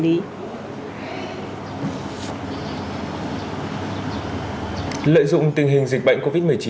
lợi dụng tình hình dịch bệnh covid một mươi chín